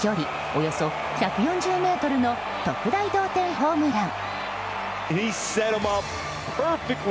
およそ１４０ｍの特大同点ホームラン！